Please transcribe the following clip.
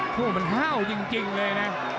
คู่มันห้าวจริงเลยนะ